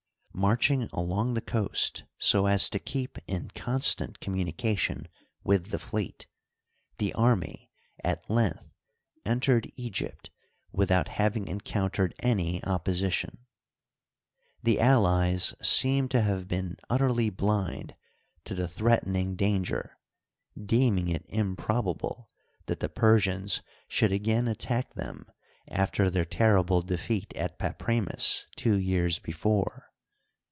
Marching along the coast so as to keep in constant communication with the fleet, the army at length entered Egypt without having encountered any opposition. The allies seem to have been utterly blind to the threatening danger, deeming it improbable that the Digitized byCjOOQlC 144 HISTORY OF EGYPT, Persians should again attack them after their terrible de feat at Papremis two years before.